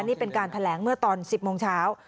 นี่เป็นการแถลงเมื่อตอน๑๐โมงเช้า